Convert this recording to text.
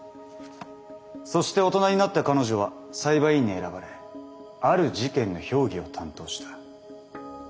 そして大人になった彼女は裁判員に選ばれある事件の評議を担当した。